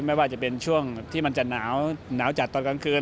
ไม่ว่าจะเป็นช่วงที่มันจะหนาวจัดตอนกลางคืน